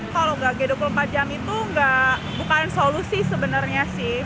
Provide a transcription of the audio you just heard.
kalau nggak g dua puluh empat jam itu bukan solusi sebenarnya sih